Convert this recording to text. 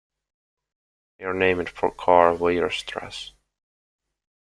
They are named for Karl Weierstrass.